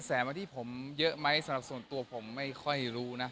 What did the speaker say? มาที่ผมเยอะไหมสำหรับส่วนตัวผมไม่ค่อยรู้นะ